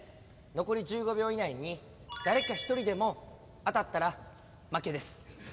残り１５秒以内に誰か１人でも当たったら負けです。